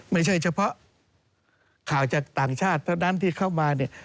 ไม่ใช่เฉพาะข่าวจากต่างชาติเท่านั้นที่เข้ามาเนี่ย